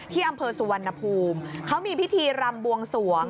ที่อำเภอสุวรรณภูมิเขามีพิธีรำบวงสวง